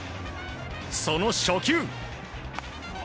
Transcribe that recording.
その初球。